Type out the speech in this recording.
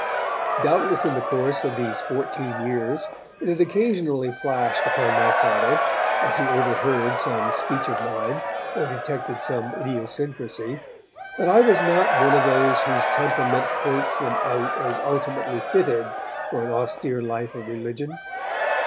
Doubtless in the course of these fourteen years it had occasionally flashed upon my Father, as he overheard some speech of mine, or detected some idiosyncrasy, that I was not one of those whose temperament points them out as ultimately fitted for an austere life of religion.